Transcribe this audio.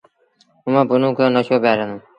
اُئآݩ پنهون کي نشو پيٚآريآندون۔